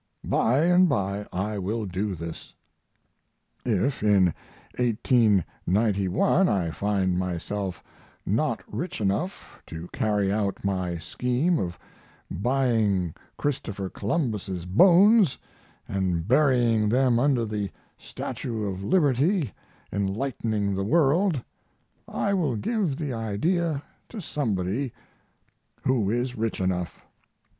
By & by I will do this. If in 1891 I find myself not rich enough to carry out my scheme of buying Christopher Columbus's bones & burying them under the Statue of Liberty Enlightening the World I will give the idea to somebody who is rich enough.